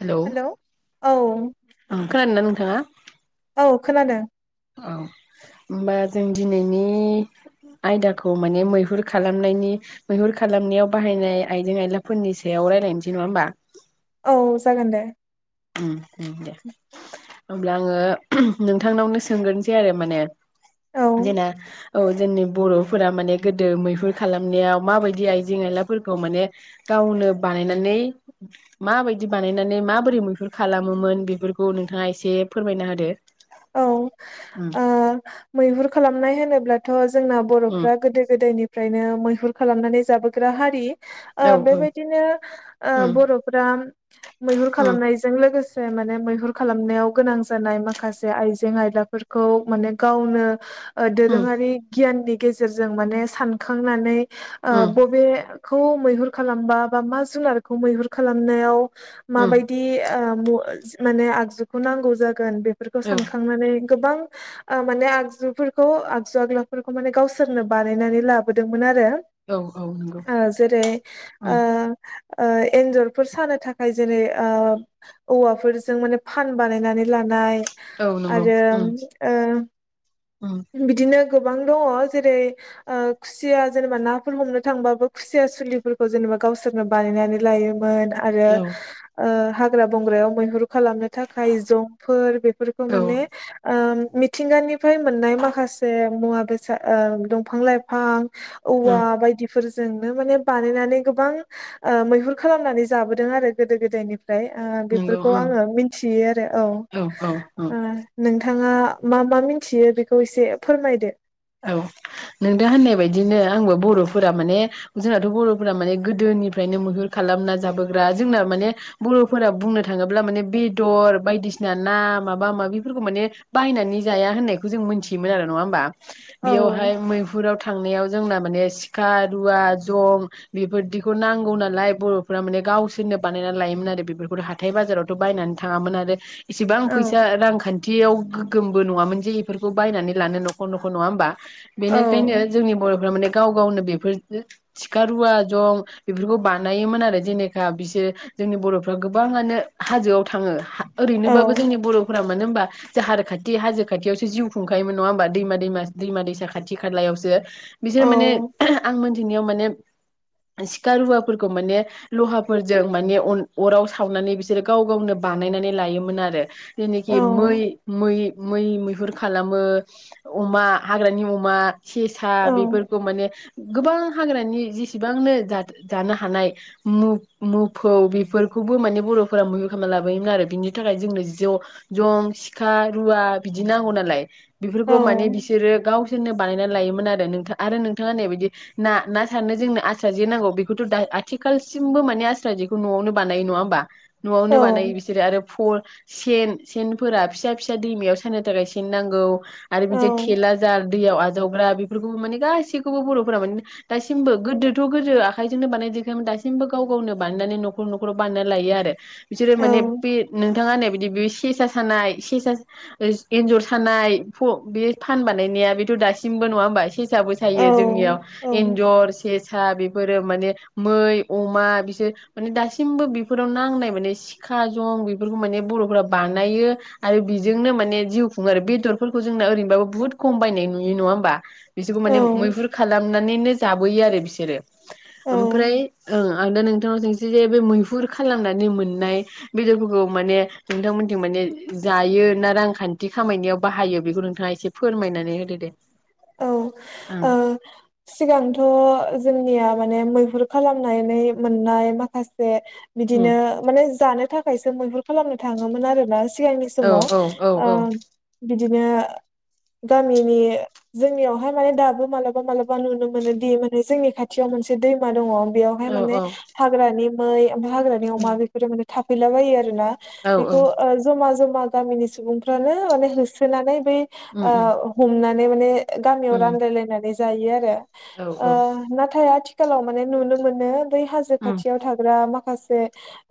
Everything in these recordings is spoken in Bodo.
हेलौ हेल' औ खोनादोना नोंथाङा औ खोनादों औ ओमबा जों दिनैनि आयदाखौ माने मैहुर खालामनायनि मैहुर खालामनायाव बाहायनाय आइजें आयलाफोरनि सायाव रायजलायनोसै नङा होमबा औ जागोन दे उम उम दे । हब्ला आङो नोंथांनावनो सोंग्रोसै आरो माने औ जोंना औ जोंनि बर'फोरा माने गोदो मैहुर खालामनायाव माबायदि आइजें आयलाफोरखौ माने गावनो बानायनानै माबायदि बानायनानै माबोरै मै हुर खालामोमोन बेफोरखौ नोंथाङा एसे फोरमायना होदो? औ उम ओ मैहुर खालामनाय होनोब्लाथ जोंना उम बर'फ्रा गोदो गोदायनिफ्रायनो मैहुर खालामनानै जाबोग्रा हारि । औ ओ औ बेबायदिनो ओ उम बर'फ्रा मैहुर उम खालामनायजों लोगो से माने मैहुर खालामनायाव गोनां जानाय माखा से आइजें आयलाफोरखौ माने गावनो उम दोरोङारि गियाननि गेजेरजों माने सानखांनानै ओ उम बबे खौ मैहुर खालामबा बा मा जुनारखौ मैहुर खालामनायाव उम माबायदि ओ म मानेआगजुखो नांगौ जागोन बे बेफोरखौ औ सानखांनानै गोबां ओ माने आगजुफोरखौ आगजु आगोलफोरखौ माने गावसोरनो बानायनानै लाबोदोंमोन आरो औ औ नंगौ । ओ जेरै उम ओ ओ एन्जरफोर सानो थाखाय जेरै ओ औवाफोरजों माने फान बानायनानै लानाय औ नंगौ आरो उम ओ उम बिदिनो गोबां दङ जेरै ओ खुसिया जेनेबा नाफोर हमनो थांबाबो खुसिया सुलिफोरखौ जेनेबा गावसोरनो बानायनानै लायोमोन । आरो औ ओ हाग्रा बंग्रायाव मैहुर खालामनो थाखाय जंफोर बे खौ औ माने ओ मिथिंगानिफ्राय मोननाय माखासे मुवा बेसा ओ दंफां लाइफां औवा उम बायदि फोरजोंनो माने बानायनानै गोबां ओ मैहुर खालामनानै जाबोदों आरो गोदो गोदायनि फ्राय ओ नंगौ बेफोरखौ उम आङो मिथियो आरो औ । औ ङा मा मा मिथियो बेखौ एसे फोरमायदो? औ नोंथा होननाय बायदिनो आंबो बर'फोरा माने जोंनाथ' बर'फोरा माने गोदोनिफ्रायनो मैहुर खालामना जाबोग्रा जोंना माने बर'फोरा बुंनो थाङोब्ला माने बेदर बायदिसिना ना माबा माबिफोरखौ माने बाहायनानै जाया होननायखौ जों मोनथियोमोन आरो नङा होमबा औ बेयावहाय मैहुराव था थांनायाव जोंना माने सिखा रुवा जं बेफोरदिखौ नांगौ नालाय बर'फोरा माने गावसोरनो बानायना लायोमोन आरो बेफोरखौथ' हाथाय बाजारावथ' बायनानै थाङामोन आरो इसेबां औ फैसा रांखान्थि थियाव गोगोमबो नङामोन जे बेफोरखौ बायनानै लानो न खर नखर नङ होमबा? औ बेनिखायनो जोंनि बर'फ्रा माने गाव गावनो बेफोर थिखा रुवा जं बेफोरखौ बानायोमोन आरो जेनेखा बिसोर जोंनि बर'फ्रा गोबाङानो हाजोआव थाङो औ ओरैनोबाबो जोंनि बर'फ्रा मानो होनोमबा जाहार खाथि हाजो खाथियावसो जिउ खुंखायोमोन नङा होमबा? दैमा दैमा दैमा दैसा खाथि खालायावसो बिसोर माने आं मोन थिनियाव माने सिखा रुवाफोरखौ माने लहाफोरजों माने अन अराव सावनानै बिसोरो गाव गावनो बानायनानै लायो मोन आरो औ जेनेखि मै मै मै मैहुर खालामो अमा हाग्रानि अमा सेसा बेफोरखौ माने गोबां हाग्रानि जेसेबांनो जान जानो हानाय मोफौ बेफोरखौबो माने बर'फोरा मैहूर खालामा लाबोयोमोन आरो बिनि थाखाय जोंनो ज' जं सिखा रुवा बिदि नांगौ नालाय बिफोर खौ माने औ बिसोरो गावसोरनो बानायनानै लायोमोन आरो नोंथाङ आरो नोंथाङा नैबायदि ना ना सारनो जोंनो आस्रा जे नांगौ बेखौथ' दा आथिखालसिमबो माने आस्रा जेखौ न'आवनो बानायो नङा होमबा? न'आवनो बानायो बिसोरो आरो फल सेन सेनफोरा फिसा फिसा दैमायाव सनो थाखाय सेन नांगौ आरो बिदि औ थेला जा दैयाव आजावग्रा बेफोरखौबो माने गासैखौबो बर'फोरा माने दासिमबो गोदोथ' गोदो आखाइजोंनो बानाय जेरखायोमोन दासिमबो गाव गावनो बानायनानै न'खर न'खराव बानायना लायो आरो बिसोरो माने औ बे नोंथाङा होननाय बिदि बे सेसा सानाय सेसा स ओ एन्जर सानाय फ बे फान बानायनाया बेथ' दासिमबो नङा होमबा एसे साबो औ सायो औ जोंनियाव एन्जर सेस सा बेफोरो माने मै अमा बिसो माने दासिमबो बेफोराव नांनाय माने सिखा जं बेफोरखौ माने बर'फोरा बानायो आरो बेजोंनो माने जिउ खुङो आरो बेदर फोरखौ जोंनो ओरैनोबाबो बुहुत खम बायनाय नुयो नङा होमबा? बिसोरखौ औ माने मैहुर खालामनानैनो लाबोयो आरो बिसो सोरो औ ओमफ्राय ओं आं दा नोंथांनाव सोंसै जे बे मैहुर खालामनानै मोननाय बेदरफोरखौ माने नोंथांमोननिथिं माने जायो ना रांखान्थि खामायनायाव बाहायो बेखौ नोंथाङा एसे फोरमायनानै होदो दे । औ ओ सिगांथ' जोंनिया माने मै हुर खालामनायनै मोननाय माखासे उम बिदिनो माने जानो थाखायसो मैहुर खालामनो थाङोमोन आरोना सिगांनि औ समाव औ औ ओ औ बि बिदिनो गामिनि जोंनियावहाय माने दाबो मालाबा मालाबा नुनो मोनो दि माने जोंनि खाथियाव मोनसे दैमा दङ बेयावहाय औ माने औ हाग्रानि मै ओमफाय हाग्रानि उम अमा बेफोरो मोने थाफैलाबायो आ रोना औ औ बेखौ ओ जमा जमि मा गामिनि सुबुंफ्रानो माने होसोनानै बै उम उम ओ हमना नै माने ओ गामियाव उम रान्लायलायनानै जायो आरो औ ओ औ नाथाय आथि सोलाव माने नुनो मोनो बै हाजो उम खाथियाव थाग्रा मा सासे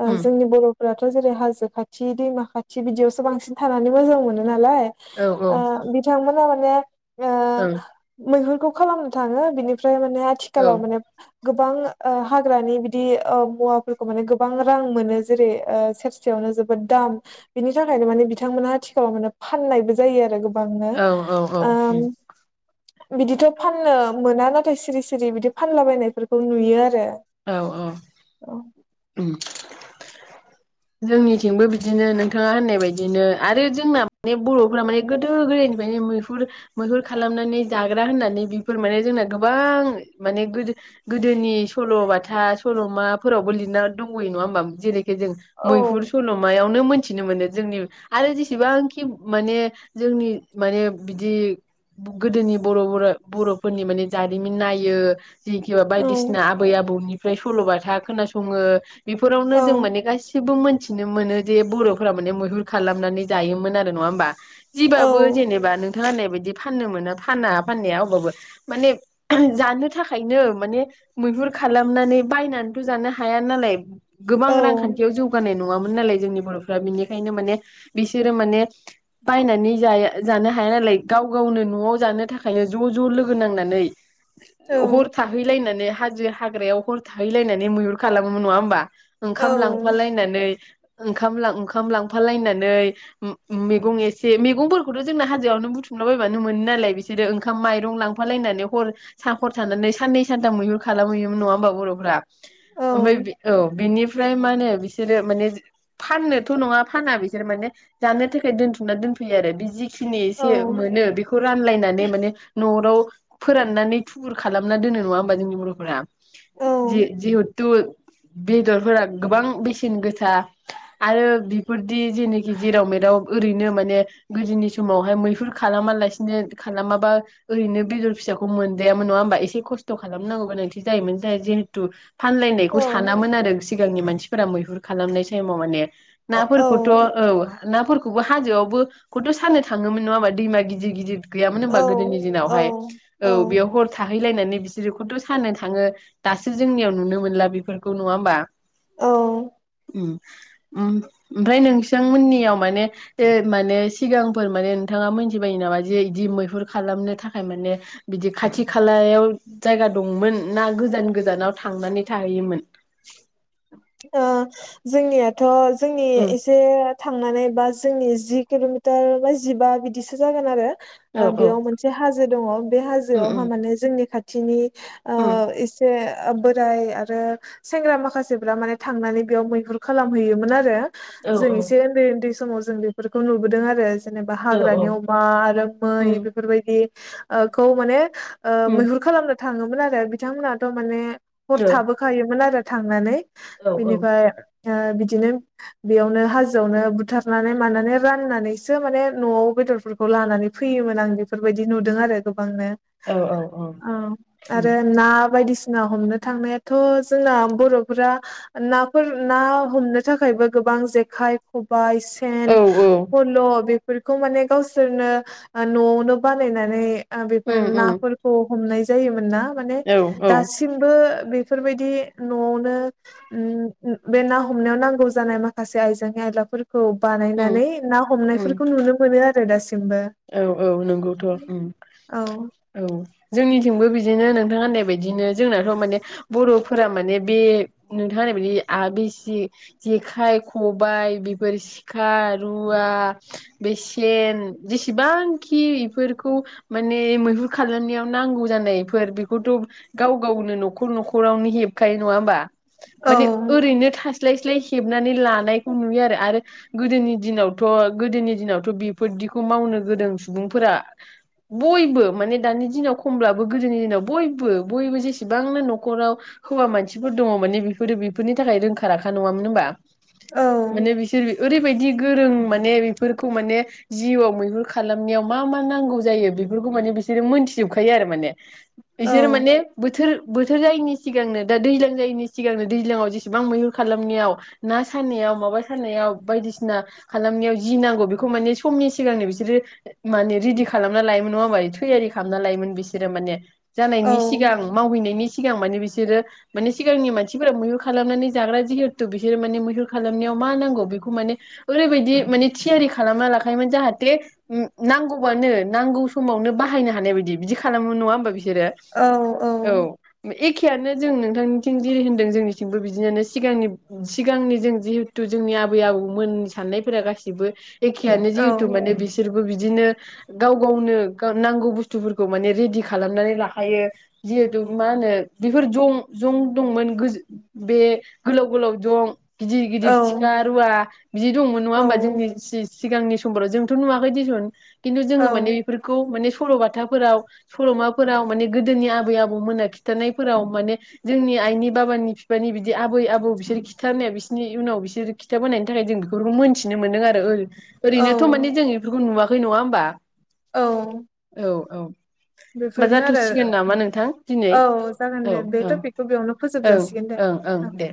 ओ उम जोंनि बर' फोराथ' जेरै हाजो खाथि दैमा खाथि बिदियावसो बांसिन थानानै मोजां मोनो नालाय औ औ ओ बिथांमोना माने [unintelligible] औ खौ खालामनो थांङो बिनिफ्राय ओमफ्राय माने औ आथिखालाव माने गोब गोबां ओ हाग्रानि बिदि ओ मुवाफोरखौ माने गोबां रां मोनो जेरै ओ सेरसेयावनो जोबोद दाम बिनि थाखायनो माने बिथांमोनहा आथिखालाव माने फाननायबो जायो आरो गोबांनो औ औ औ ओ उम बिदिथ' फाननो मोना नाथाय सिरि सिरि बिदि फानलाबायनायफोरखौ नुयो आरो औ औ औ उम जोंनिथिंबो बिदिनो नोंथाङा होननाय बायदिनो आरो जोंना माने बर'फोरा माने गोदो गोदायनिफ्रायनो मैहुर मैहुर खालामनानै जाग्रा होननानै बेफोर माने जोंना गोबां माने गोदो गोदोनि सल'बाथा सल'माफोरावबो लिरना दंङो नङा होमबा जेरैखि जों औ मैहुर सल'मायावनो [unintelligible] मिथिनो मोनो जोंनि आरो जेसेबांखि माने जोंनि माने बिदि गोदोनि बर' बोराइ बर'फोरनि माने जारिमिन नायो जिखिबा बायदिसिना आबै आबौनि ओमफ्राय सल'बाथा खोनासङो बेफोरावनो औ जों मोने गासि [unintelligible] मोन्थिनो मोनो जे बर'फोरा माने मैहुर खालामनानै जायोमोन आरो नङा होमबा? औ जिबाबो जेनेबा नोंथाङा होननाय बायदि बिदि फाननो मोना फाना फाननाया अब्लाबो माने जानो थाखायनो माने मैहुर खालामनानै बायनानैथ' जानो हाया नालाय। गोबां औ रांखान्थि जानाय नंङामोन नालाय जोंनि बर'फोरा बिनिखायनो माने बिसोरो माने बायनानै जाया जानो हाया नालाय गाव गावनो न'आव जानो थाखायनो ज' ज' लोगो नांनानै औ हर थाहैलायनानै हाजो हाग्रायाव हर थाहैलायनानै मैहुर खालामोमोन नंङा होमबा? औ ओंखाम [unintelligible] ओंखाम लां ओंखाम लांफालायनानै उम उम मैगं एसे मैगंफोरखौथ' जोंना हाजोआवनो बुथुमलाबायबानो मोनो नालाय बिसोरो ओंखाम माइरं लांफालायनानै हर हर थानानै साननै सानथाम मैहुर खालामहैयोमोन नङा होमबा बर'फोरा। ओमफ्राय बि औ बिनि [unintelligible] माने बिसोरो माने फाननोथ' नङा फाना बिसोर माने जानो थाखाय दोनथुमना दोनफैयो आरो बे जि [unintelligible] मोनो बेखौ रानलायनानै माने न' [unintelligible] फोराननानै थुबुर खालामना दोनो नङा होमबा जोंनि बर'फोरा? [unintelligible] [unintelligible] बेदरफोरा गोबां बेसेन [unintelligible] गोसा आरो बेफोरदि जेनोखि जेराव मेराव ओरैनो माने गोदोनि समावहाय मैहुर खालामालासिनो खालामाबा ओरैनो बेदर फिसाखौ मोनजायामोन नंङा होमबा? एसे खस्थ' खालामनांगौ गोनांथि जायोमोन जायो जिहेतु फानलायनायखौ औ सानामोन आरो सिगांनि मानसि [unintelligible] मैहुर [unintelligible] खालामनाय टाइमाव माने। नाफोरखौथ' औ। नाफोरखौबो हाजोआवबो खौथ' सानो थाङोमोन नङा होमबा दैमा गिदिर गिदिर गैयामोन औ होमबा गोदोनि औ दिनावहाय औ बेयाव हर [unintelligible] थाहैलायनानै बिसोरोखौथ' साननो थांङो दासो जोंनियाव नुनो मोनला बेफोरखौ नङा होमबा? औ उम उम ओमफ्राय नोंथांमोननि याव माने माने सिगांफोर माने नोंथाङा मोनथिबायो नामा जे बिदि मैहुर खालामनो थाखाय माने बिदि खाथि खालायाव जायगा दंमोन ना गोजान गोजानाव थांनानै थाहैयोमोन। ओ जोंनियाथ' जोंनि उम एसे थांनानै बा जोंनि जि किल'मिटार बा जिबा बिदिसो जागोन आरो औ ओ औ बेयाव मोनसे हाजो दङ बे उम हाजोआवहा उम माने जोंनि खाथि [unintelligible] ओ उम इसे ओ बोराय आरो सेंग्रा माखासे बि माने थांनानै बेयाव मैहुर खालामहैयोमोन आरो औ जों एसे उन्दै उन्दै समाव जों बेफोरखौ नुबोदों आरो जेनेबा औ हाग्रानि औ अमा आरो मै उम बेफोर बायदि ओ खौ माने ओ उम मैहुर खालामनो थाङोमोन आरो बिथांमोनाथ' माने हर ओ थाबो औ खायोमोन आरो थांनानै औ बिनिफ्राय ओ बिदिनो बेयावनो हाजोआवनो बुथारनानै मानानै राननानैसो माने न'आव बेदरफोरखौ लानानै फैयोमोन आं बेफोरबायदि नुदों आरो नो औ औ औ उम आरो ना बायदिसिना ना हमनो थांनायाथ' जोंना बर' फोरा नाफोर ना हमनो थाखायबो गोबां जेखाय खबाइ औ सेन खल' फोरफोरखौ माने गावसोरनो न'आवनो बानायनानै [unintelligible] बेफोर उम उम नाफोरखौ हमनाय जायोमोन ना माने औ औ दासिमबो बे बेफोर बायदि न'आव नो उम बे ना हमनायाव नांगौ जानाय माखासे आइजें आइलाफोर खौ उम बानायनानै ना उम हमनायफोरखौ नुनो मोनो आरो दासिम औ औ नंगौथ' उम औ औ जोंनिथिंबो बिदिनो नोंथांआ होननाय बायदिनो जोंनाथ' माने बर'फोरा माने बे नोंथां होननाय बायदि आ बिसि जेखाइ खबाइ बेफोर सि [unintelligible] रुवा बेसेन जेसेबांखि इफोरखौ माने मैहुर खालामनायाव नांगौ जानायफोर बेखौथ' गाव गावनो न'खर न'खरावनो हेबखायो नङा होमबा औ माने ओरैनो थासान [unintelligible] हेबनानै लानायखौ नुयो आरो आरो गोदोनि दिनावथ' गोदोनि दिनावथ' बेफोर दि खौ मावनो गोरों सुबुंफोरा बयबो माने दानि दिनाव खमब्लाबो गोदोनि दिनाव बयबो बयबो जेसेबांनो न'खराव हौवा मानसिफोर दङ माने बेफोरो बेफोरनि थाखाय रोंखा राखा नङामोन होमबा औ माने बिसोर ओरैबायदि गोरों माने बेफोरखौ माने जिउआव मैहुर खालामनायाव मा मा नांगौ जायो बेफोरखौ माने बिसोरो मोनथिजोबखायो आरो माने बिसोर माने बोथोर बोथोर जायैनि सिगांनो दा दैज्लां जायैनि सिगांनो दैज्लांआव जेसेबां मैहुर खालामनायाव ना सानायाव माबा सानायाव बायदिसिना खालामनायाव जि नांगौ बेखौ माने समनि सिगांनो बिसोरो माने रेडि खालामना लायोमोन नङाबा थैयारि खालामना लायोमोन बिसोरो माने औ जानायनि सिगां मावहैनायनि सि सिगां माने बिसोरो माने सिगांनि मानसिफोरा मैहुर खालामनानै जाग्रा जिहेतु बिसोरो माने मैहुर खालामनायाव मा नांगौ बेखौ माने ओरैबायदि माने थियारि खालामना लाखा खायमोन जाहाथे नांगौबानो नांगौ समावनो बाहायनो हानाय बायदि बिदि खालामो नङा होमबा बि औ औ एखेयानो जों नोंथांनिथिं जिरै होनदों जोंनिथिंबो बिदियानो सिगांनि सिगांनि जों जिहेतु जोंनि आबै आबौमोननि साननायफोरा गासिबो एखे खेआनो औ जिहेथु माने बिसोरबो बि दिनो गाव गावनो नांगौ बुस्थुफोरखौ माने रेडि खालामनानै लाखायो जिहेथु मा होनो बेफोर जं-जं दंमोन गोजो बे गोलाव गोलाव जं गिदिर गिदिर सिखा रुवा बिदि दङमोन नङा औ होमबा जोंनि [unintelligible] सिगांनि समफोराव जोंथ' नुवाखै दिसुन खिन्थु औ जोङो माने बेफोरखौ माने सल'बाथाफोराव सल'माफोराव माने गोदोनि आबै आबौमोना खिथानायफोराव माने जोंनि आइनि बाबानि बिफानि बिदि आबै आबौ बिसोर खिथानाया बिसोरनि उनाव बिसोर खिथाबोनायनि थाखाय जों बेफोरखौ मोन्थिनो मोनदों आरो ओ औ ओरैनोथ' माने जों इफोरखौ नुवा खै नङा होनोमबा औ औ बा बेफोरनो आरो जाथ'सिगोन नामा नोंथां दिनै? औ जागोन औ दे बे ओं टपिकखौ बेयावनो फोजोब ओं जासिगोन दे। ओं ओं औ दे।